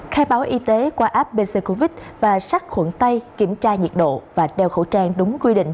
khai báo y tế qua app và sát khuẩn tay kiểm tra nhiệt độ và đeo khẩu trang đúng quy định